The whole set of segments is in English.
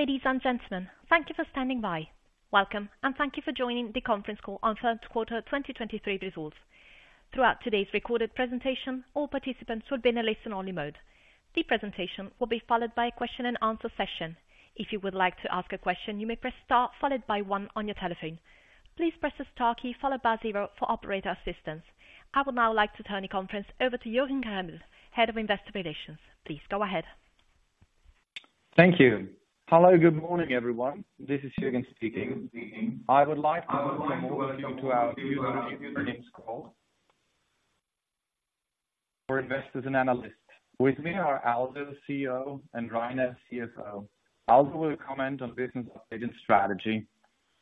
Ladies and gentlemen, thank you for standing by. Welcome, and thank you for joining the conference call on third quarter 2023 results. Throughout today's recorded presentation, all participants will be in a listen-only mode. The presentation will be followed by a question and answer session. If you would like to ask a question, you may press star followed by one on your telephone. Please press the star key followed by zero for operator assistance. I would now like to turn the conference over to Jürgen Rebel, Head of Investor Relations. Please go ahead. Thank you. Hello, good morning, everyone. This is Jürgen speaking. I would like to welcome all of you to our Q3 earnings call for investors and analysts. With me are Aldo, CEO, and Rainer, CFO. Aldo will comment on business update and strategy.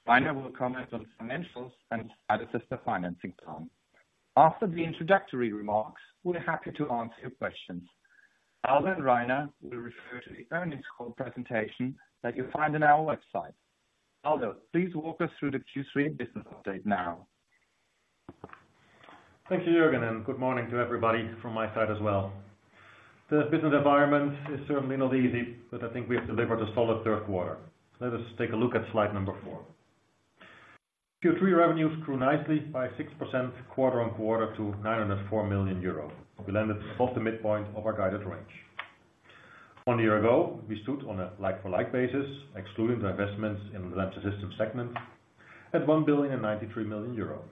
Rainer will comment on financials and status of the financing plan. After the introductory remarks, we're happy to answer your questions. Aldo and Rainer will refer to the earnings call presentation that you'll find on our website. Aldo, please walk us through the Q3 business update now. Thank you, Jürgen, and good morning to everybody from my side as well. The business environment is certainly not easy, but I think we have delivered a solid third quarter. Let us take a look at slide number four. Q3 revenues grew nicely by 6% quarter-on-quarter to 904 million euros. We landed above the midpoint of our guided range. One year ago, we stood on a like-for-like basis, excluding the investments in the Lamps & Systems segment, at 1,093 million euro.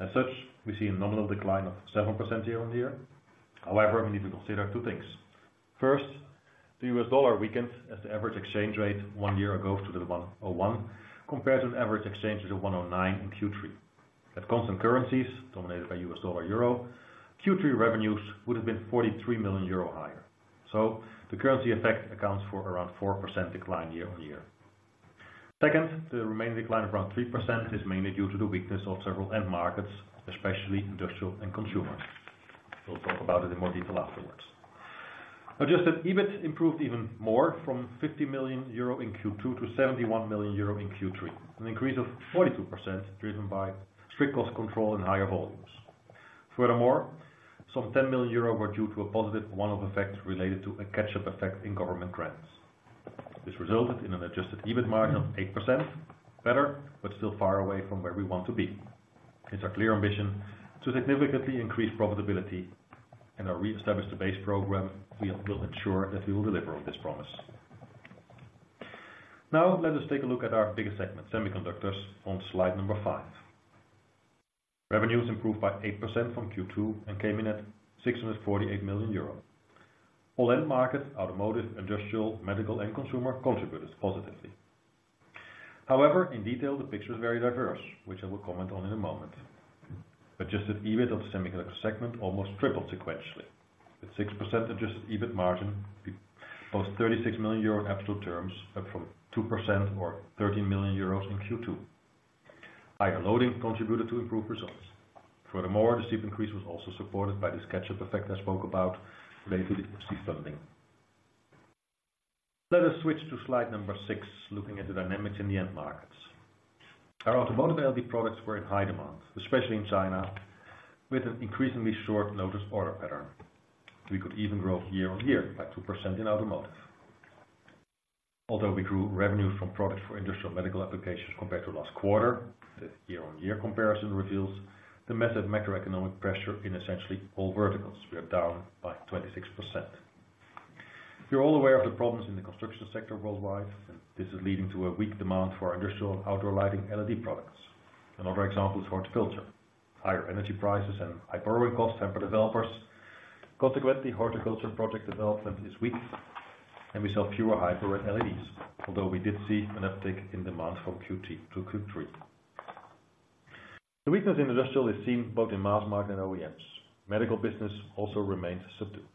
As such, we see a nominal decline of 7% year-on-year. However, we need to consider two things. First, the US dollar weakened as the average exchange rate one year ago stood at 1.01, compared to the average exchange rate of 1.09 in Q3. At constant currencies, dominated by US dollar/euro, Q3 revenues would have been 43 million euro higher. So the currency effect accounts for around 4% decline year-on-year. Second, the remaining decline of around 3% is mainly due to the weakness of several end markets, especially industrial and consumer. We'll talk about it in more detail afterwards. Adjusted EBIT improved even more from 50 million euro in Q2 to 71 million euro in Q3, an increase of 42%, driven by strict cost control and higher volumes. Furthermore, some 10 million euro were due to a positive one-off effect related to a catch-up effect in government grants. This resulted in an adjusted EBIT margin of 8%, better, but still far away from where we want to be. It's our clear ambition to significantly increase profitability and our Re-establish the Base program. We will ensure that we will deliver on this promise. Now, let us take a look at our biggest segment, Semiconductors, on slide number five. Revenues improved by 8% from Q2 and came in at 648 million euro. All end markets, Automotive, Industrial, Medical, and Consumer, contributed positively. However, in detail, the picture is very diverse, which I will comment on in a moment. adjusted EBIT of the Semiconductor segment almost tripled sequentially. At 6% adjusted EBIT margin, we post 36 million euros in absolute terms, up from 2% or 13 million euros in Q2. Higher loading contributed to improved results. Furthermore, the steep increase was also supported by this catch-up effect I spoke about related to IPCEI funding. Let us switch to slide number six, looking at the dynamics in the end markets. Our automotive LED products were in high demand, especially in China, with an increasingly short notice order pattern. We could even grow year-on-year by 2% in automotive. Although we grew revenues from products for industrial medical applications compared to last quarter, the year-on-year comparison reveals the muted macroeconomic pressure in essentially all verticals. We are down by 26%. You're all aware of the problems in the construction sector worldwide, and this is leading to a weak demand for our industrial outdoor lighting LED products. Another example is horticulture. Higher energy prices and high growing costs temper developers. Consequently, horticulture project development is weak, and we sell fewer high power LEDs, although we did see an uptick in demand from Q2 to Q3. The weakness in industrial is seen both in mass market and OEMs. Medical business also remains subdued.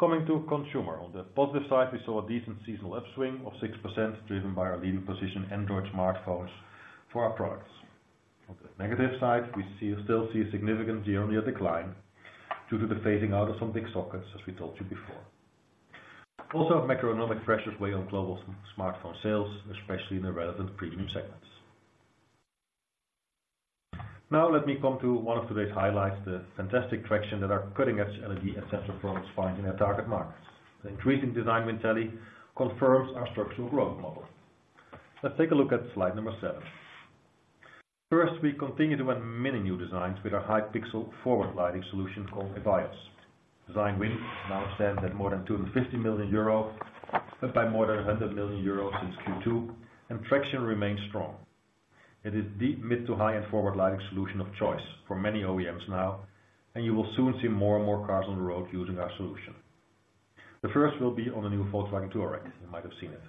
Coming to consumer, on the positive side, we saw a decent seasonal upswing of 6%, driven by our leading position, Android smartphones for our products. On the negative side, we still see a significant year-on-year decline due to the phasing out of some big sockets, as we told you before. Also, macroeconomic pressures weigh on global smartphone sales, especially in the relevant premium segments. Now, let me come to one of today's highlights, the fantastic traction that our cutting-edge LED essential products find in their target markets. The increasing design win tally confirms our structural growth model. Let's take a look at slide number 7. First, we continue to win many new designs with our high pixel forward lighting solution called EVIYOS. Design wins now stand at more than 250 million euro, up by more than 100 million euro since Q2, and traction remains strong. It is the mid- to high-end forward lighting solution of choice for many OEMs now, and you will soon see more and more cars on the road using our solution. The first will be on the new Volkswagen Touareg. You might have seen it.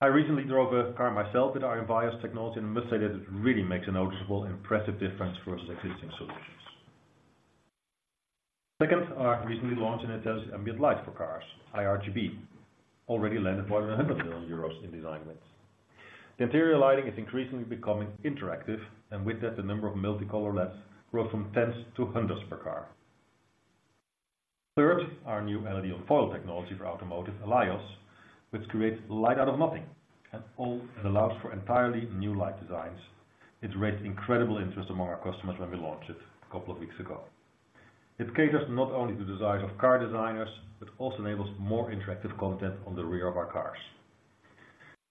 I recently drove a car myself with our EVIYOS technology, and I must say that it really makes a noticeable impressive difference versus existing solutions. Second, our recently launched intelligent ambient light for cars, IRGB, already landed more than 100 million euros in design wins. Interior lighting is increasingly becoming interactive, and with that, the number of multicolor LEDs grew from tens to hundreds per car. Third, our new LED on foil technology for automotive, ALIYOS, which creates light out of nothing at all, it allows for entirely new light designs. It raised incredible interest among our customers when we launched it a couple of weeks ago. It caters not only the desires of car designers, but also enables more interactive content on the rear of our cars.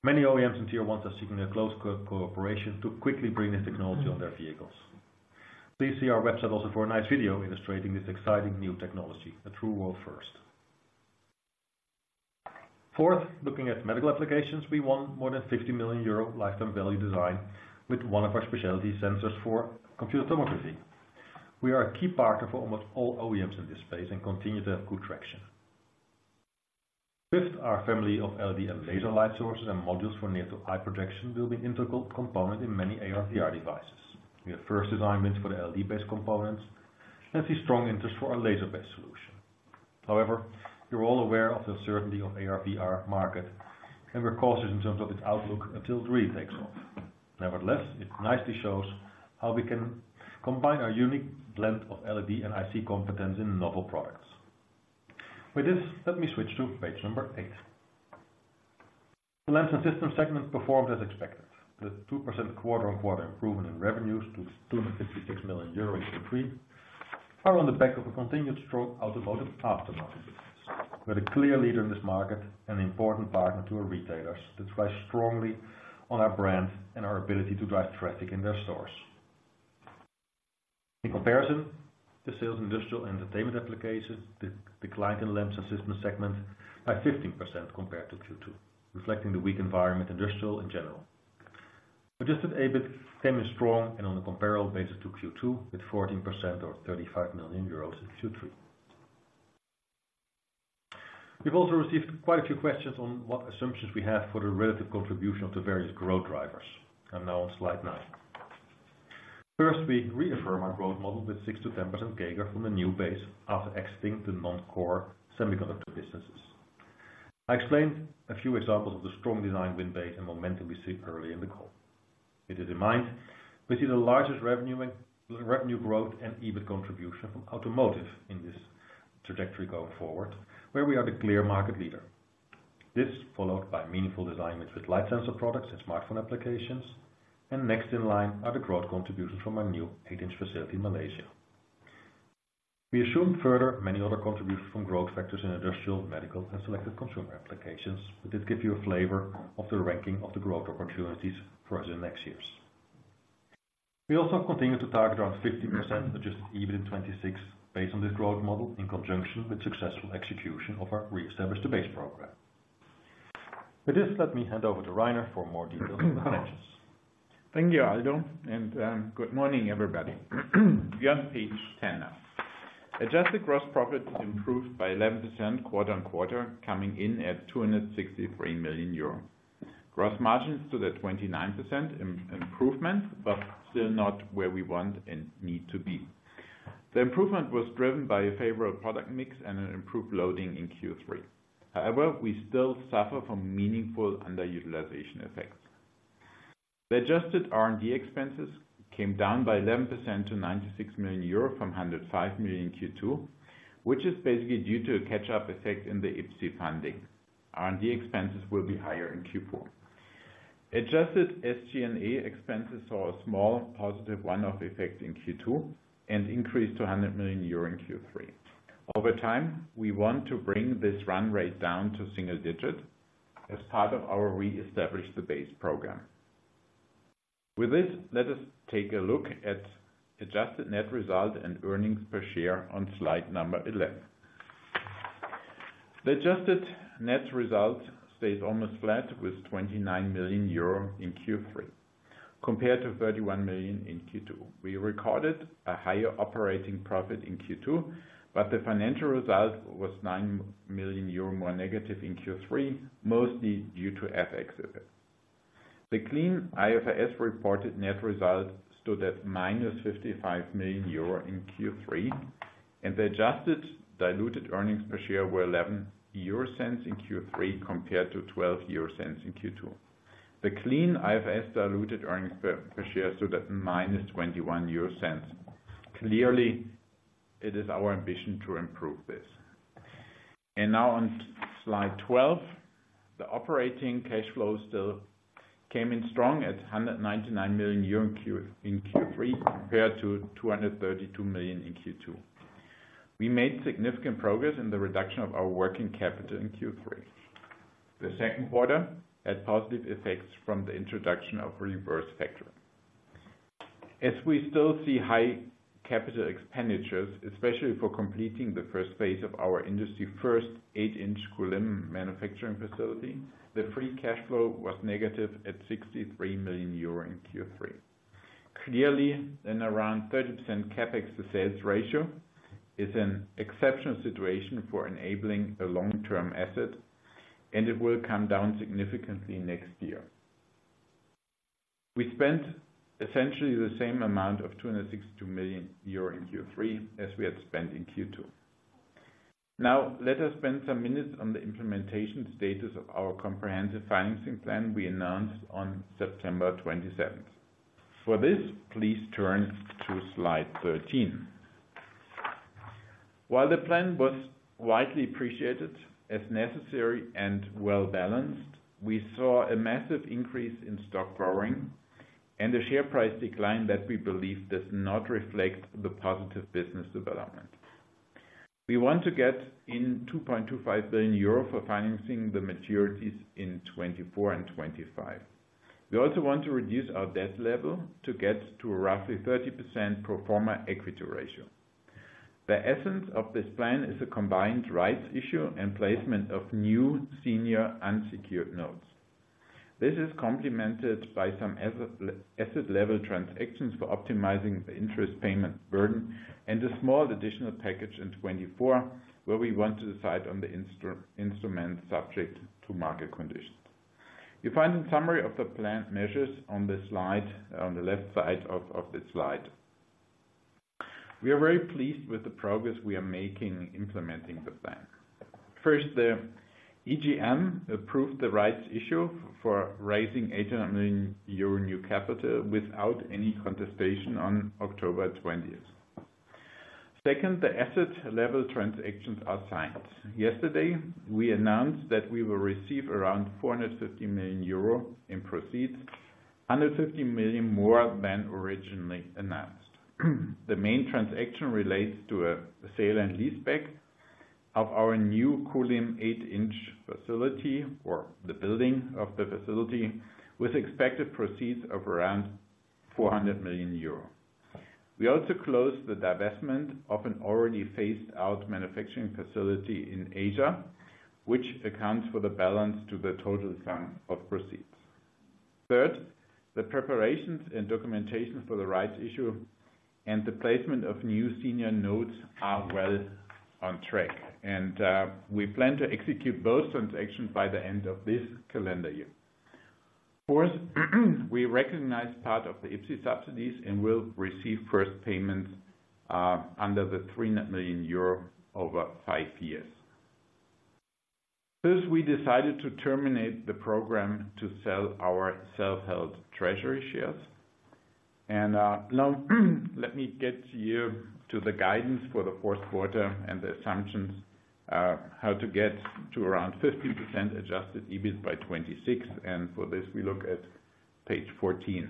Many OEMs and Tier 1s are seeking a close cooperation to quickly bring this technology on their vehicles. Please see our website also for a nice video illustrating this exciting new technology, a true world first. Fourth, looking at medical applications, we won more than 50 million euro lifetime value design with one of our specialty sensors for computed tomography. We are a key partner for almost all OEMs in this space and continue to have good traction. Fifth, our family of LED and laser light sources and modules for near-to-eye projection will be an integral component in many AR/VR devices. We have first design wins for the LED-based components, and see strong interest for our laser-based solution. However, you're all aware of the uncertainty of AR/VR market, and we're cautious in terms of its outlook until it really takes off. Nevertheless, it nicely shows how we can combine our unique blend of LED and IC competence in novel products. With this, let me switch to page eight. The Lamps & Systems segment performed as expected, with a 2% quarter-on-quarter improvement in revenues to 256 million euros in Q3, are on the back of a continued strong automotive aftermarket. We're the clear leader in this market and an important partner to our retailers that thrive strongly on our brand and our ability to drive traffic in their stores. In comparison, the sales in industrial and entertainment applications declined in Lamps & Systems segment by 15% compared to Q2, reflecting the weak environment, industrial in general. Adjusted EBIT came in strong and on a comparable basis to Q2, with 14% or 35 million euros in Q3. We've also received quite a few questions on what assumptions we have for the relative contribution of the various growth drivers. I'm now on slide nine. First, we reaffirm our growth model with 6%-10% CAGR from the new base after exiting the non-core semiconductor businesses. I explained a few examples of the strong design win base and momentum we see early in the call. With it in mind, we see the largest revenue growth and EBIT contribution from automotive in this trajectory going forward, where we are the clear market leader. This, followed by meaningful design wins with light sensor products and smartphone applications, and next in line are the growth contributions from our new 8-inch facility in Malaysia. We assume further many other contributions from growth sectors in industrial, medical, and selected consumer applications, but this gives you a flavor of the ranking of the growth opportunities for us in the next years. We also continue to target around 50% adjusted EBIT in 2026, based on this growth model, in conjunction with successful execution of our Re-establish the Base program. With this, let me hand over to Rainer for more details on the finances. Thank you, Aldo, and good morning, everybody. We are on page 10 now. Adjusted gross profit is improved by 11% quarter-on-quarter, coming in at 263 million euro. Gross margins saw a 29% improvement, but still not where we want and need to be. The improvement was driven by a favorable product mix and an improved loading in Q3. However, we still suffer from meaningful underutilization effects. The adjusted R&D expenses came down by 11% to 96 million euro from 105 million in Q2, which is basically due to a catch-up effect in the IPCEI funding. R&D expenses will be higher in Q4. Adjusted SG&A expenses saw a small positive one-off effect in Q2 and increased to 100 million euro in Q3. Over time, we want to bring this run rate down to single digit as part of our Re-establish the Base program. With this, let us take a look at adjusted net result and earnings per share on slide 11. The adjusted net result stayed almost flat with 29 million euro in Q3, compared to 31 million in Q2. We recorded a higher operating profit in Q2, but the financial result was 9 million euro more negative in Q3, mostly due to FX effects. The clean IFRS reported net result stood at -55 million euro in Q3, and the adjusted diluted earnings per share were 0.11 in Q3, compared to 0.12 in Q2. The clean IFRS diluted earnings per, per share, stood at -0.21. Clearly, it is our ambition to improve this. Now on slide 12, the operating cash flow still came in strong at 199 million euro in Q3, compared to 232 million in Q2. We made significant progress in the reduction of our working capital in Q3. The second quarter had positive effects from the introduction of reverse factoring. As we still see high capital expenditures, especially for completing the first phase of our industry's first 8-inch GaN manufacturing facility, the free cash flow was negative at 63 million euro in Q3. Clearly, an around 30% CapEx to sales ratio is an exceptional situation for enabling a long-term asset, and it will come down significantly next year. We spent essentially the same amount of 262 million euro in Q3 as we had spent in Q2. Now, let us spend some minutes on the implementation status of our comprehensive financing plan we announced on September 27th. For this, please turn to slide 13. While the plan was widely appreciated as necessary and well-balanced, we saw a massive increase in stock borrowing and the share price decline that we believe does not reflect the positive business development. We want to get in 2.25 billion euro for financing the maturities in 2024 and 2025. We also want to reduce our debt level to get to roughly 30% pro forma equity ratio. The essence of this plan is a combined rights issue and placement of new senior unsecured notes. This is complemented by some asset level transactions for optimizing the interest payment burden and a small additional package in 2024, where we want to decide on the instrument subject to market conditions. You find a summary of the planned measures on the slide, on the left side of the slide. We are very pleased with the progress we are making implementing the plan. First, the EGM approved the rights issue for raising 800 million euro new capital without any contestation on October twentieth. Second, the asset level transactions are signed. Yesterday, we announced that we will receive around 450 million euro in proceeds, 150 million more than originally announced. The main transaction relates to a sale and leaseback of our new Kulim eight-inch facility, or the building of the facility, with expected proceeds of around 400 million euro. We also closed the divestment of an already phased-out manufacturing facility in Asia, which accounts for the balance to the total sum of proceeds. Third, the preparations and documentation for the rights issue and the placement of new senior notes are well on track, and we plan to execute both transactions by the end of this calendar year. Fourth, we recognize part of the IPCEI subsidies and will receive first payments under the 300 million euro over five years. Fifth, we decided to terminate the program to sell our self-held treasury shares. Now, let me get you to the guidance for the fourth quarter and the assumptions how to get to around 50% adjusted EBIT by 2026, and for this, we look at page 14.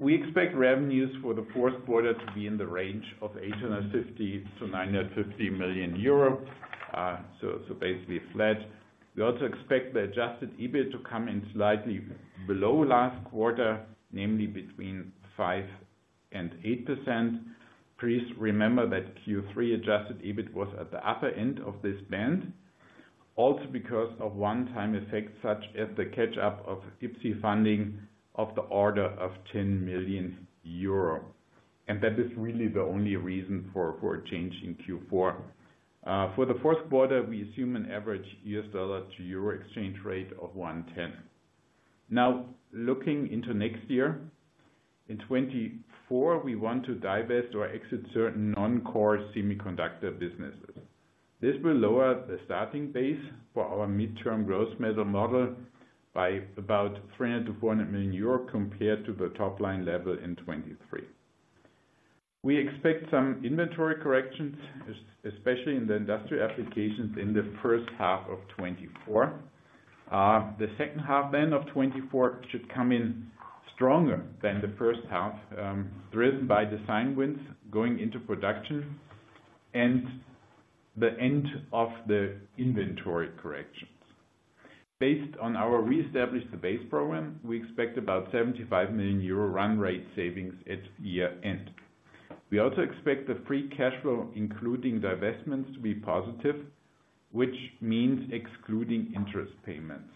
We expect revenues for the fourth quarter to be in the range of 850 million-950 million euro, so basically flat. We also expect the adjusted EBIT to come in slightly below last quarter, namely between 5% and 8%. Please remember that Q3 adjusted EBIT was at the upper end of this band, also because of one-time effects, such as the catch-up of IPCEI funding of the order of 10 million euro, and that is really the only reason for a change in Q4. For the fourth quarter, we assume an average US dollar to euro exchange rate of 1.10. Now, looking into next year, in 2024, we want to divest or exit certain non-core semiconductor businesses. This will lower the starting base for our midterm growth measure model by about 300 million-400 million euro compared to the top-line level in 2023. We expect some inventory corrections, especially in the industrial applications, in the first half of 2024. The second half then of 2024 should come in stronger than the first half, driven by design wins going into production and the end of the inventory corrections. Based on our Re-establish the Base program, we expect about 75 million euro run rate savings at year-end. We also expect the free cash flow, including divestments, to be positive, which means excluding interest payments.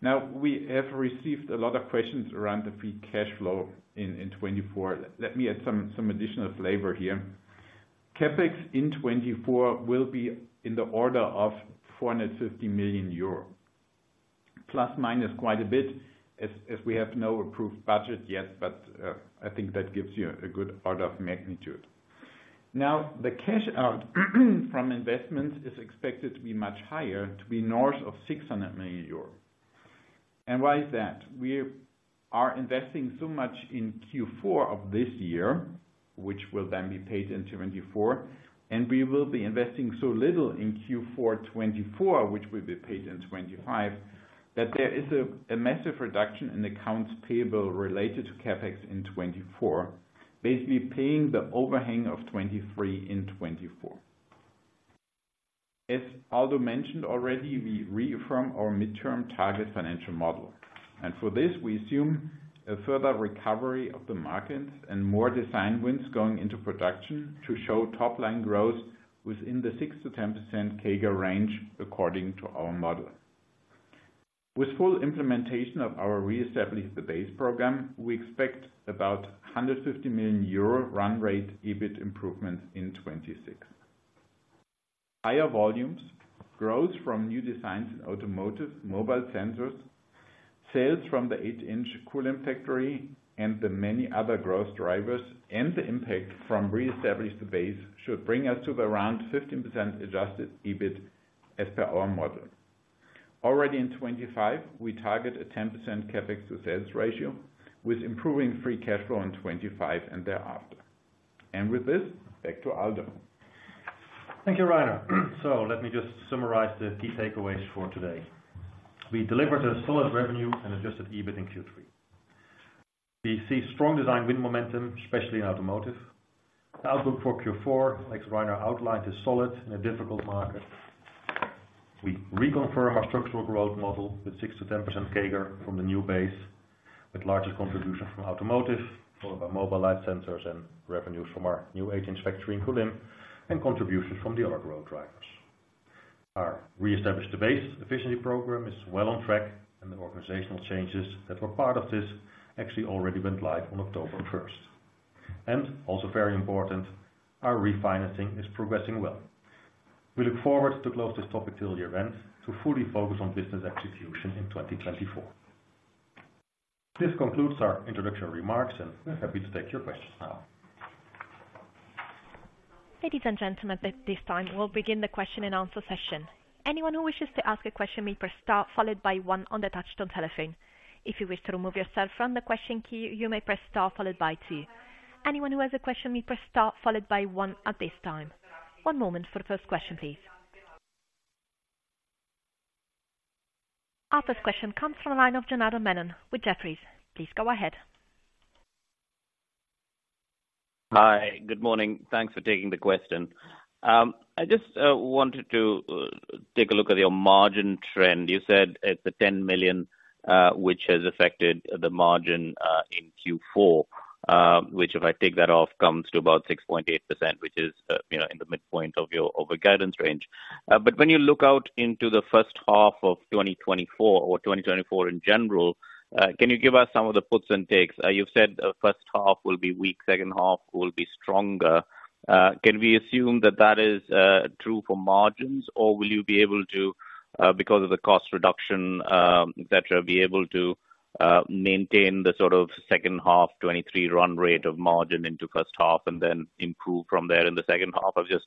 Now, we have received a lot of questions around the free cash flow in 2024. Let me add some additional flavor here. CapEx in 2024 will be in the order of 450 million euro, plus or minus quite a bit, as we have no approved budget yet, but I think that gives you a good order of magnitude. Now, the cash out from investments is expected to be much higher, to be north of 600 million euros. Why is that? We are investing so much in Q4 of this year, which will then be paid in 2024, and we will be investing so little in Q4 2024, which will be paid in 2025, that there is a massive reduction in accounts payable related to CapEx in 2024, basically paying the overhang of 2023 in 2024. As Aldo mentioned already, we reaffirm our midterm target financial model, and for this, we assume a further recovery of the markets and more design wins going into production to show top-line growth within the 6%-10% CAGR range, according to our model. With full implementation of our Re-establish the Base program, we expect about 150 million euro run rate EBIT improvements in 2026. Higher volumes, growth from new designs in automotive, mobile sensors, sales from the 8-inch Kulim factory, and the many other growth drivers, and the impact from Re-establish the Base should bring us to around 15% adjusted EBIT, as per our model. Already in 2025, we target a 10% CapEx to sales ratio, with improving free cash flow in 2025 and thereafter. With this, back to Aldo. .Thank you, Rainer. So let me just summarize the key takeaways for today. We delivered a solid revenue and adjusted EBIT in Q3. We see strong design win momentum, especially in automotive. The outlook for Q4, as Rainer outlined, is solid in a difficult market. We reconfirm our structural growth model with 6%-10% CAGR from the new base, with largest contribution from automotive, followed by mobile, life sciences and revenues from our new GaN factory in Kulim, and contributions from the other growth drivers. Our Re-establish the Base efficiency program is well on track, and the organizational changes that were part of this actually already went live on October first. And also very important, our refinancing is progressing well. We look forward to close this topic by year-end, to fully focus on business execution in 2024. This concludes our introductory remarks, and we're happy to take your questions now. Ladies and gentlemen, at this time, we'll begin the question and answer session. Anyone who wishes to ask a question may press star, followed by one on the touchtone telephone. If you wish to remove yourself from the question queue, you may press star followed by two. Anyone who has a question may press star followed by one at this time. One moment for the first question, please. Our first question comes from a line of Janardan Menon with Jefferies. Please go ahead. Hi, good morning. Thanks for taking the question. I just wanted to take a look at your margin trend. You said it's 10 million, which has affected the margin, in Q4, which if I take that off, comes to about 6.8%, which is, you know, in the midpoint of your over guidance range. But when you look out into the first half of 2024 or 2024 in general, can you give us some of the puts and takes? You've said the first half will be weak, second half will be stronger. Can we assume that that is true for margins? Or will you be able to, because of the cost reduction, et cetera, be able to, maintain the sort of second half 2023 run rate of margin into first half and then improve from there in the second half? Or just,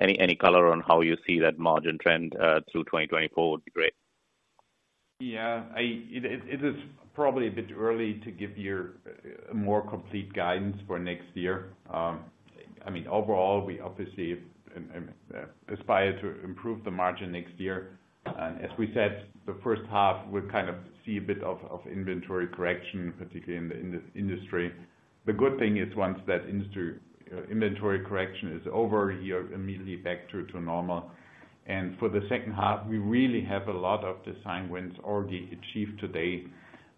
any, any color on how you see that margin trend, through 2024 would be great. Yeah. It is probably a bit early to give you a more complete guidance for next year. I mean, overall, we obviously aspire to improve the margin next year. And as we said, the first half, we kind of see a bit of inventory correction, particularly in the industry. The good thing is once that industry inventory correction is over, you're immediately back to normal. And for the second half, we really have a lot of design wins already achieved to date.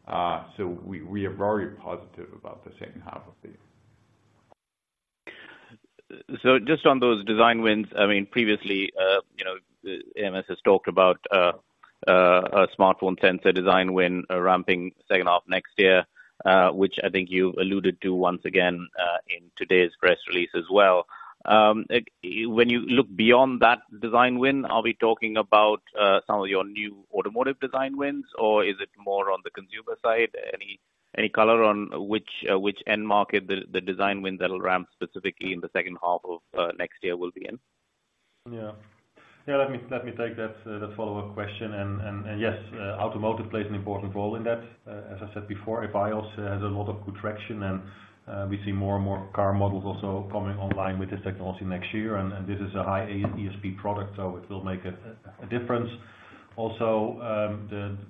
So we are very positive about the second half of the year. Just on those design wins, I mean, previously, you know, ams has talked about a smartphone sensor design win ramping second half next year, which I think you alluded to once again in today's press release as well. When you look beyond that design win, are we talking about some of your new automotive design wins, or is it more on the consumer side? Any color on which end market the design win that will ramp specifically in the second half of next year will be in? Yeah. Yeah, let me take that follow-up question. Yes, automotive plays an important role in that. As I said before, EVIYOS has a lot of good traction and we see more and more car models also coming online with this technology next year, and this is a high-ASP product, so it will make a difference. Also,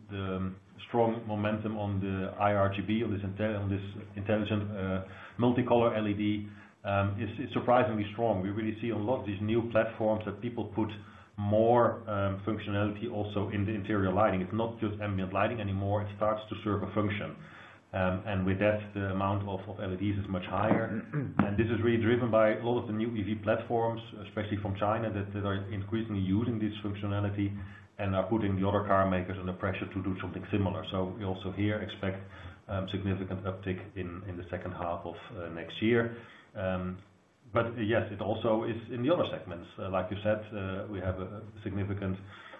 the strong momentum on the IRGB, on this intelligent multicolor LED, is surprisingly strong. We really see a lot of these new platforms that people put more functionality also in the interior lighting. It's not just ambient lighting anymore, it starts to serve a function. And with that, the amount of LEDs is much higher. This is really driven by a lot of the new EV platforms, especially from China, that are increasingly using this functionality and are putting the other car makers under pressure to do something similar. So we also here expect significant uptick in the second half of next year. But yes, it also is in the other segments. Like you said, we have a significant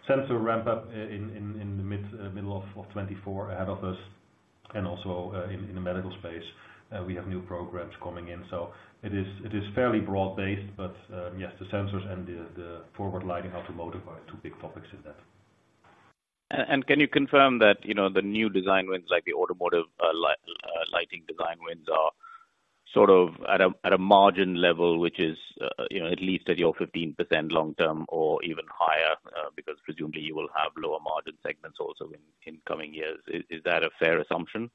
sensor ramp up in the middle of 2024 ahead of us, and also in the medical space we have new programs coming in. So it is fairly broad-based, but yes, the sensors and the forward lighting automotive are two big topics in that. Can you confirm that, you know, the new design wins, like the automotive lighting design wins, are sort of at a margin level, which is, you know, at least at your 15% long term or even higher, because presumably you will have lower margin segments also in coming years? Is that a fair assumption?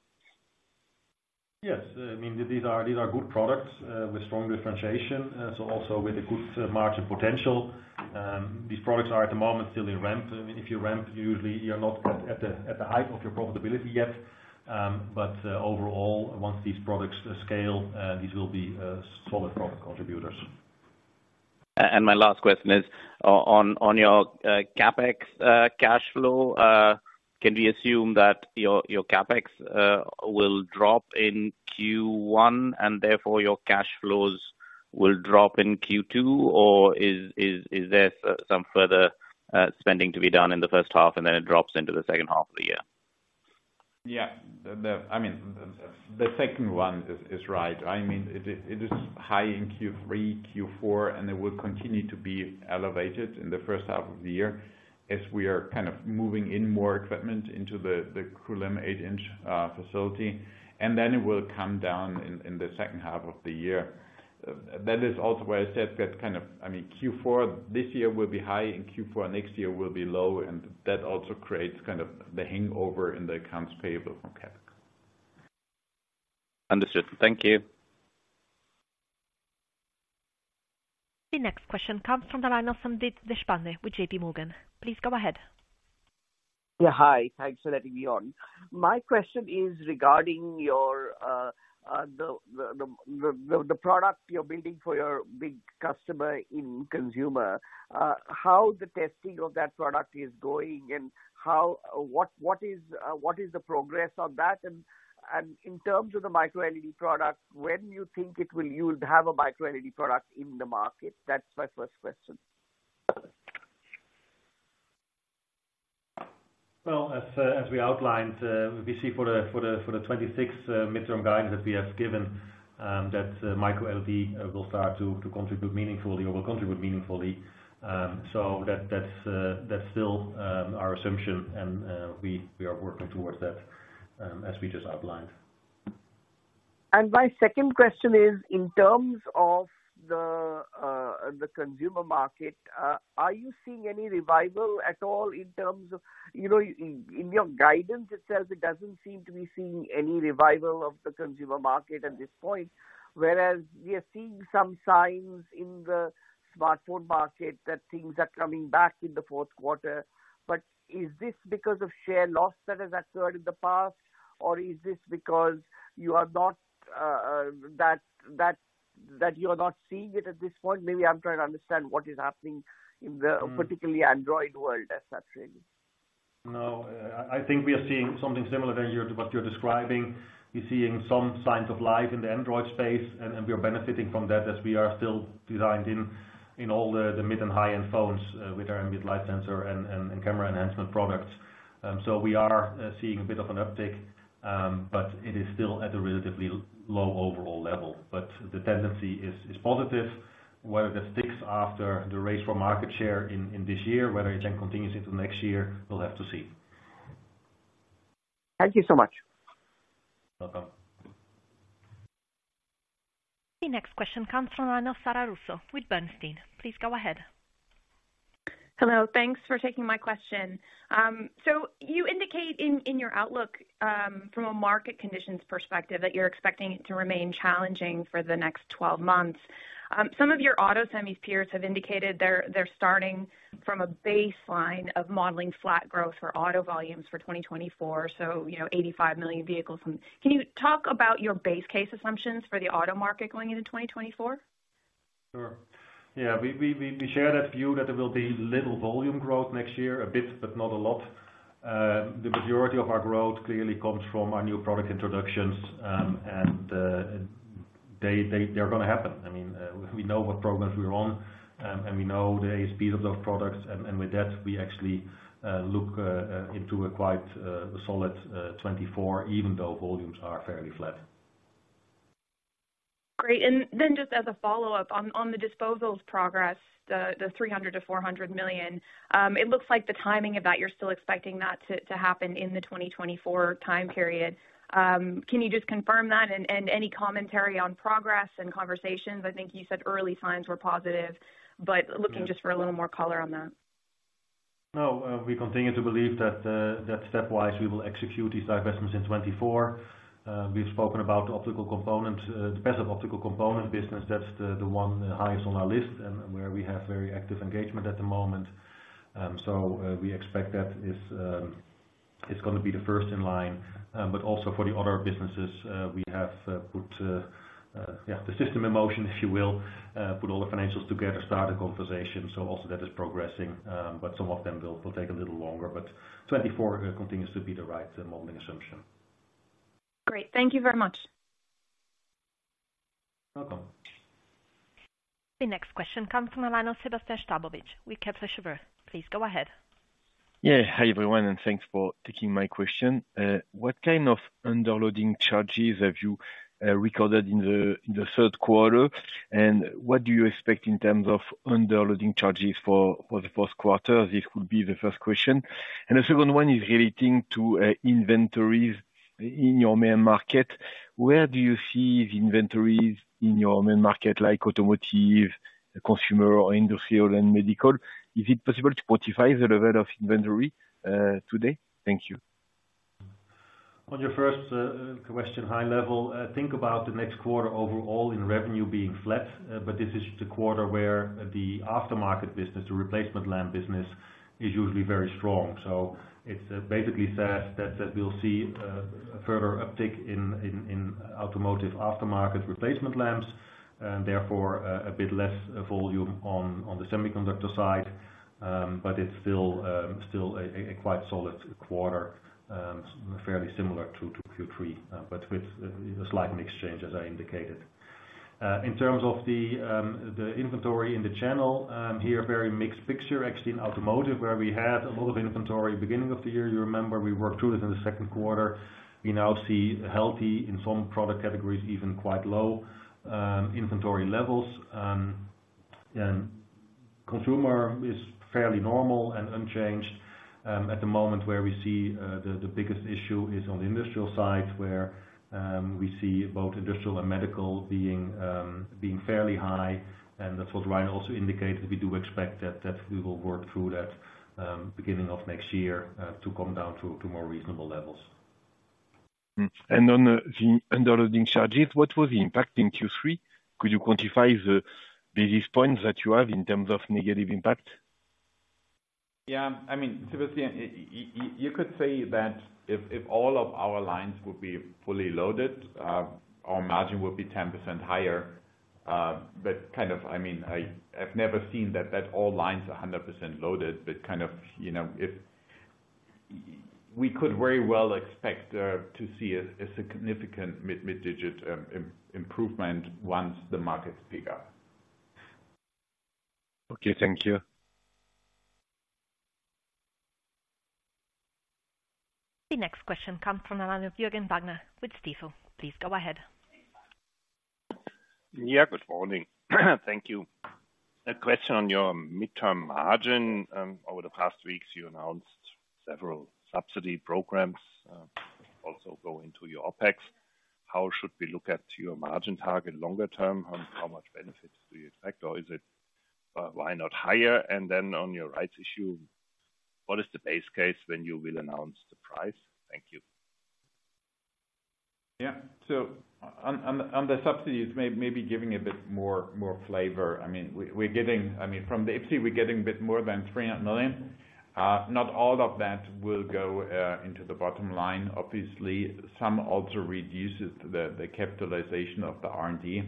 Yes. I mean, these are, these are good products, with strong differentiation, so also with a good margin potential. These products are at the moment still in ramp. I mean, if you ramp, usually you're not at the height of your profitability yet. But overall, once these products scale, these will be solid profit contributors. My last question is on your CapEx, cash flow. Can we assume that your CapEx will drop in Q1, and therefore your cash flows will drop in Q2? Or is there some further spending to be done in the first half, and then it drops into the second half, please? .Yeah, the, I mean, the second one is right. I mean, it is high in Q3, Q4, and it will continue to be elevated in the first half of the year, as we are kind of moving in more equipment into the Kulim 8-inch facility. And then it will come down in the second half of the year. That is also why I said that kind of, I mean, Q4 this year will be high, and Q4 next year will be low, and that also creates kind of the hangover in the accounts payable from CapEx. Understood. Thank you. The next question comes from the line of Sandeep Deshpande with JPMorgan. Please go ahead. Yeah, hi. Thanks for letting me on. My question is regarding your the product you're building for your big customer in consumer. How the testing of that product is going, and what is the progress on that? And in terms of the microLED product, when you think you'll have a microLED product in the market? That's my first question. Well, as we outlined, we see for the 2026 midterm guidance that we have given, that micro LED will start to contribute meaningfully or will contribute meaningfully. So that's still our assumption, and we are working towards that, as we just outlined. And my second question is, in terms of the consumer market, are you seeing any revival at all in terms of you know, in your guidance itself, it doesn't seem to be seeing any revival of the consumer market at this point. Whereas we are seeing some signs in the smartphone market that things are coming back in the fourth quarter. But is this because of share loss that has occurred in the past? Or is this because you are not, that you are not seeing it at this point? Maybe I'm trying to understand what is happening in the particularly Android world as such, really. No, I think we are seeing something similar than what you're describing. We're seeing some signs of life in the Android space, and we are benefiting from that as we are still designed in all the mid and high-end phones with our ambient light sensor and camera enhancement products. So we are seeing a bit of an uptick, but it is still at a relatively low overall level. But the tendency is positive. Whether that sticks after the race for market share in this year, whether it then continues into next year, we'll have to see. Thank you so much. The next question comes from the line of Sara Russo with Bernstein. Please go ahead. Hello, thanks for taking my question. So you indicate in your outlook, from a market conditions perspective, that you're expecting it to remain challenging for the next 12 months. Some of your auto semi peers have indicated they're starting from a baseline of modeling flat growth for auto volumes for 2024, so, you know, 85 million vehicles. And can you talk about your base case assumptions for the auto market going into 2024? Sure. Yeah, we share that view that there will be little volume growth next year, a bit, but not a lot. The majority of our growth clearly comes from our new product introductions. They're gonna happen. I mean, we know what programs we're on, and we know the speed of those products, and with that, we actually look into a quite solid 2024, even though volumes are fairly flat. Great. And then just as a follow-up, on the disposals progress, the 300 million-400 million, it looks like the timing of that, you're still expecting that to happen in the 2024 time period. Can you just confirm that? And any commentary on progress and conversations, I think you said early signs were positive looking just for a little more color on that. No, we continue to believe that, that stepwise, we will execute these divestments in 2024. We've spoken about the optical components, the passive optical component business. That's the one highest on our list, and where we have very active engagement at the moment. So, we expect that is gonna be the first in line. But also for the other businesses, we have put, yeah, the system in motion, if you will. Put all the financials together, start a conversation, so also that is progressing, but some of them will take a little longer. But 2024 continues to be the right modeling assumption. Great. Thank you very much. Welcome. The next question comes from the line of Sébastien Sztabowicz with Kepler Cheuvreux. Please go ahead. Yeah. Hi, everyone, and thanks for taking my question. What kind of underloading charges have you recorded in the third quarter? And what do you expect in terms of underloading charges for the first quarter? This would be the first question. And the second one is relating to inventories in your main market. Where do you see the inventories in your main market, like automotive, consumer, or industrial and medical? Is it possible to quantify the level of inventory today? Thank you. On your first question, high level, think about the next quarter overall in revenue being flat, but this is the quarter where the aftermarket business, the replacement lamp business, is usually very strong. So it basically says that we'll see a further uptick in automotive aftermarket replacement lamps, and therefore a bit less volume on the semiconductor side. But it's still a quite solid quarter, fairly similar to Q3, but with a slight mix change, as I indicated. In terms of the inventory in the channel, here, very mixed picture actually in automotive, where we had a lot of inventory beginning of the year. You remember we worked through this in the second quarter. We now see healthy, in some product categories, even quite low inventory levels. And consumer is fairly normal and unchanged. At the moment where we see the biggest issue is on the industrial side, where we see both industrial and medical being fairly high. And that's what Rainer also indicated. We do expect that we will work through that beginning of next year to come down to more reasonable levels. On the underloading charges, what was the impact in Q3? Could you quantify the basis points that you have in terms of negative impact? Yeah. I mean, Sebastian, you could say that if all of our lines would be fully loaded, our margin would be 10% higher. But kind of I mean, I've never seen that all lines are 100% loaded. But kind of, you know, we could very well expect to see a significant mid-digit improvement once the markets pick up. Okay, thank you. The next question comes from the line of Jürgen Wagner with Stifel. Please go ahead. Yeah, good morning. Thank you. A question on your midterm margin. Over the past weeks, you announced several subsidy programs, also go into your OpEx. How should we look at your margin target longer term, and how much benefits do you expect? Or is it, why not higher? And then on your rights issue, what is the base case when you will announce the price? Thank you. Yeah. So on the subsidies, maybe giving a bit more flavor. I mean, we're getting, I mean, from the EC, we're getting a bit more than 300 million. Not all of that will go into the bottom line. Obviously, some also reduces the capitalization of the R&D.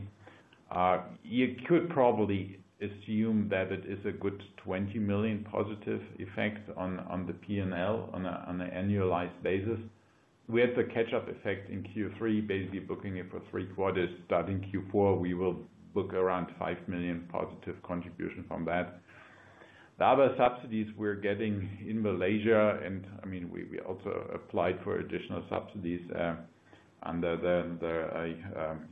You could probably assume that it is a good 20 million positive effect on the P&L on an annualized basis. We had the catch-up effect in Q3, basically booking it for 3 quarters. Starting Q4, we will book around 5 million positive contribution from that. The other subsidies we're getting in Malaysia, and I mean, we also applied for additional subsidies under the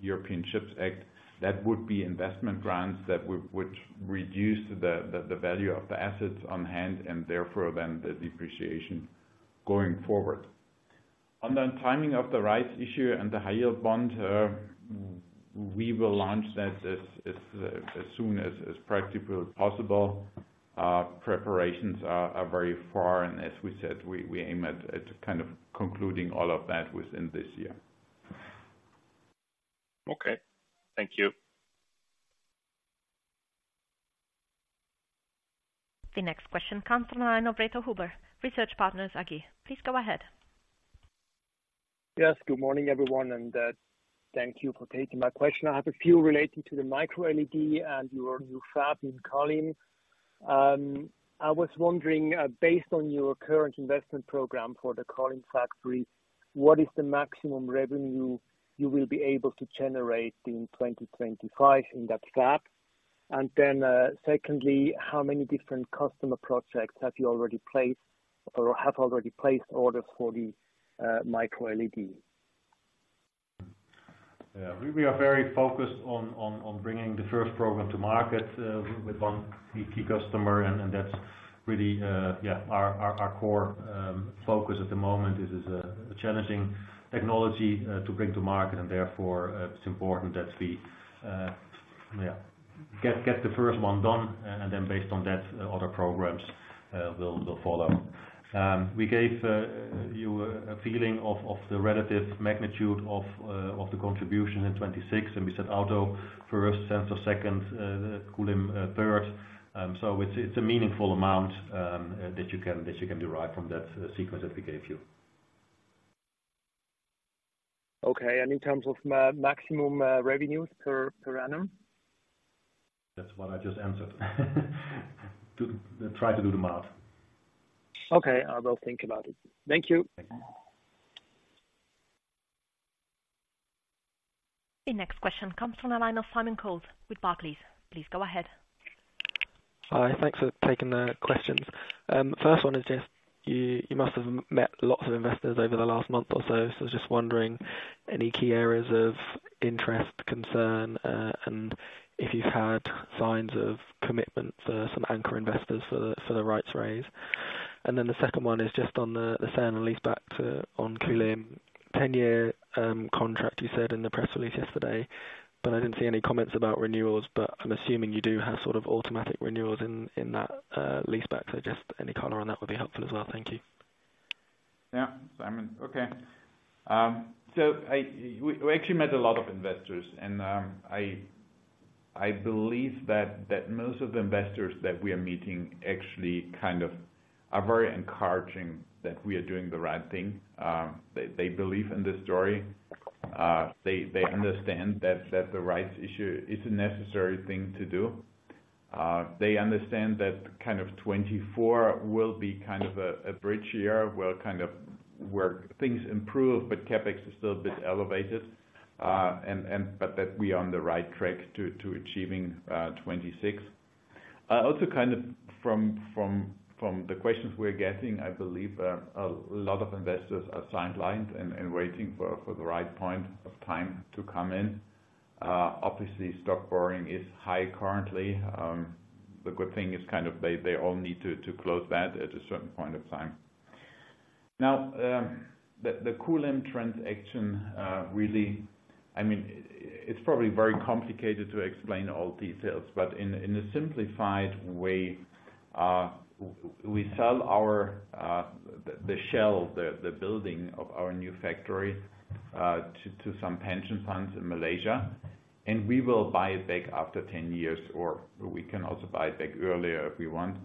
European Chips Act. That would be investment grants that would reduce the value of the assets on hand and therefore then the depreciation going forward. On the timing of the rights issue and the high yield bond, we will launch that as soon as practically possible. Preparations are very far, and as we said, we aim at kind of concluding all of that within this year. Okay. Thank you. The next question comes from the line of Reto Huber, Research Partners AG. Please go ahead. Yes, good morning, everyone, and thank you for taking my question. I have a few relating to the microLED and your new fab in Kulim. I was wondering, based on your current investment program for the Kulim factory, what is the maximum revenue you will be able to generate in 2025 in that fab? And then, secondly, how many different customer projects have you already placed or have already placed orders for the microLED? Yeah. We are very focused on bringing the first program to market with one key customer, and that's really yeah, our core focus at the moment. It is a challenging technology to bring to market, and therefore it's important that we yeah, get the first one done, and then based on that other programs will follow. We gave you a feeling of the relative magnitude of the contribution in 2026, and we said auto first, sensor second, Kulim third. So it's a meaningful amount that you can derive from that sequence that we gave you. Okay. In terms of maximum revenues per annum? That's what I just answered. To try to do the math. Okay, I will think about it. Thank you. Thank you. The next question comes from a line of Simon Coles with Barclays. Please go ahead. Hi, thanks for taking the questions. First one is just you, you must have met lots of investors over the last month or so. So just wondering, any key areas of interest, concern, and if you've had signs of commitment for some anchor investors for the, for the rights raise? And then the second one is just on the, the sale and leaseback to, on Kulim. 10-year contract you said in the press release yesterday, but I didn't see any comments about renewals, but I'm assuming you do have sort of automatic renewals in, in that leaseback. So just any color on that would be helpful as well. Thank you. Yeah. Simon, okay. So we actually met a lot of investors, and I believe that most of the investors that we are meeting actually kind of are very encouraging that we are doing the right thing. They believe in the story. They understand that the rights issue is a necessary thing to do. They understand that kind of 2024 will be kind of a bridge year, where things improve, but CapEx is still a bit elevated. But that we are on the right track to achieving 2026. Also kind of from the questions we're getting, I believe a lot of investors are sidelined and waiting for the right point of time to come in. Obviously, stock borrowing is high currently. The good thing is they all need to close that at a certain point of time. Now, the Kulim transaction, really, I mean, it's probably very complicated to explain all details, but in a simplified way, we sell our the shell, the building of our new factory to some pension funds in Malaysia, and we will buy it back after 10 years, or we can also buy it back earlier if we want.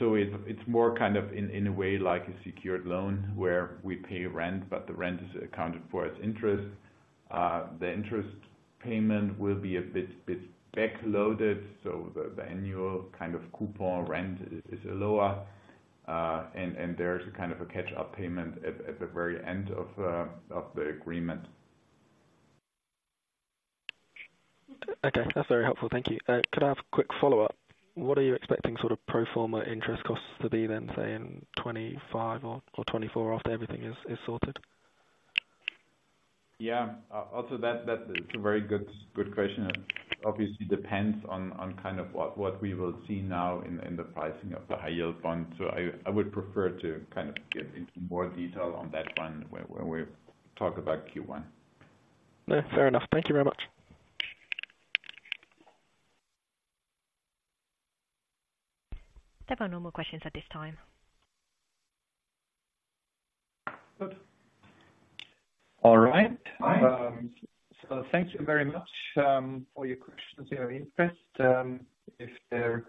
So it's more kind of in a way, like a secured loan, where we pay rent, but the rent is accounted for as interest. The interest payment will be a bit backloaded, so the annual kind of coupon rent is lower. And there's a kind of a catch-up payment at the very end of the agreement. Okay, that's very helpful. Thank you. Could I have a quick follow-up? What are you expecting sort of pro forma interest costs to be then, say, in 2025 or 2024, after everything is sorted? Yeah. Also, that is a very good question. Obviously, it depends on kind of what we will see now in the pricing of the high-yield bonds. So I would prefer to kind of get into more detail on that one when we talk about Q1. No, fair enough. Thank you very much. There are no more questions at this time. Good. All right. So thank you very much for your questions and your interest. If there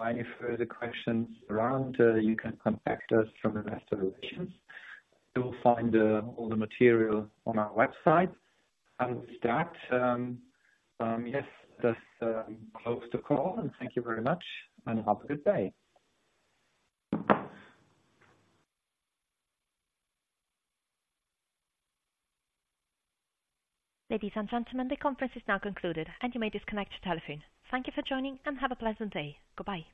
are any further questions around, you can contact us from Investor Relations. You'll find all the material on our website. And with that, yes, let's close the call, and thank you very much, and have a good day. Ladies and gentlemen, the conference is now concluded, and you may disconnect your telephone. Thank you for joining, and have a pleasant day. Goodbye.